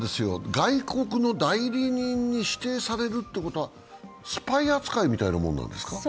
外国の代理人に指定されるってことは、スパイ扱いみたいなもんなんですか？